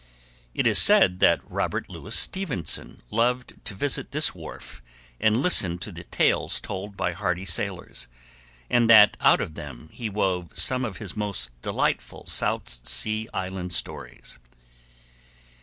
It is said that Robert Louis Stevenson loved to visit this wharf and listen to the tales told by the hardy sailors, and that out of them he wove some of his most delightful South Sea Island stories.